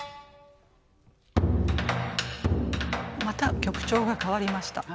また曲調が変わりました。